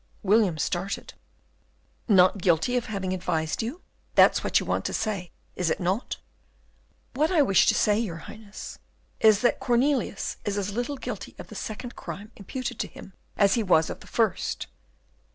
William started. "Not guilty of having advised you? that's what you want to say, is it not?" "What I wish to say, your Highness, is that Cornelius is as little guilty of the second crime imputed to him as he was of the first."